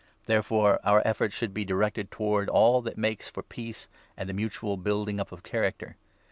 Therefore our efforts should be directed towards all 19 that makes for peace and the mutual building up of character.